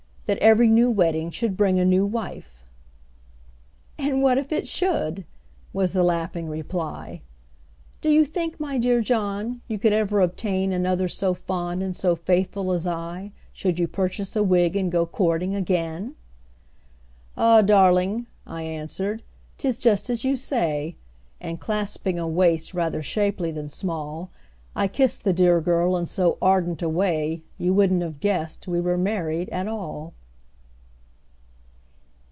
That every new wedding should bring a new wife!" "And what if it should?" was the laughing reply; "Do you think, my dear John, you could ever obtain Another so fond and so faithful as I, Should you purchase a wig, and go courting again?" "Ah! darling," I answered, "'tis just as you say;" And clasping a waist rather shapely than small, I kissed the dear girl in so ardent a way You wouldn't have guessed we were married at all!